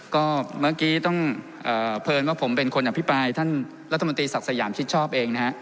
ก็เมื่อกี้ต้องเพลินว่าผมเป็นคนอภิปรายท่านรัฐมนตรีศักดิ์สยามชิดชอบเองนะฮะ